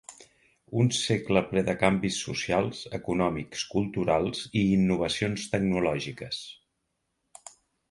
Un segle ple de canvis socials, econòmics, culturals i innovacions tecnològiques.